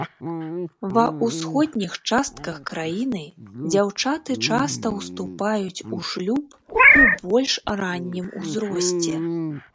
Ва ўсходніх частках краіны дзяўчаты часта ўступаюць у шлюб у больш раннім узросце.